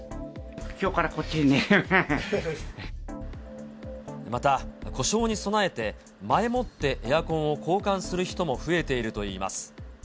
きょうからこっちで寝られるまた、故障に備えて、前もってエアコンを交換する人も増えているといいます。